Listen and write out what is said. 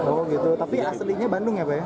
oh gitu tapi aslinya bandung ya pak ya